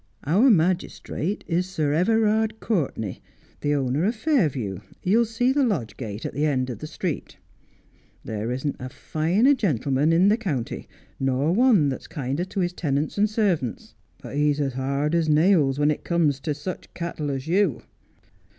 Our magistrate is Sir Everard Courtenay, the owner of Fairview. You will see the lodge gate at the end of the street. There isn't a finer gentleman in the county, nor one that's kinder to his tenants and servants ; but he's as hard as nails when it comes to .such cattle as you.'